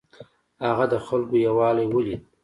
هغه د خلکو یووالی ولید.